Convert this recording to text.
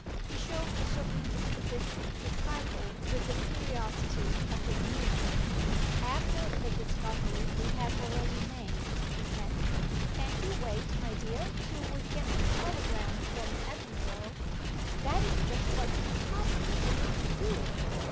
He showed a certain disposition to trifle with the curiosity of his niece. "After the discovery we have already made," he said, "can't you wait, my dear, till we get the telegram from Edinburgh?" "That is just what it's impossible for me to do!